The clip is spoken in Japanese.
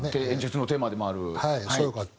演出のテーマでもある。